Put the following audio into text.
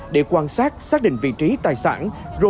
để quan sát xác định vị trí tài sản